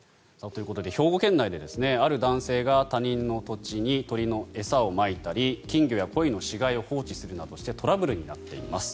ということで兵庫県内である男性が他人の土地に鳥の餌をまいたり金魚やコイの死骸を放置するなどしてトラブルになっています。